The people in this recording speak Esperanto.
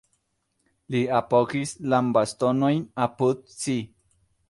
Li apogis lambastonojn apud si.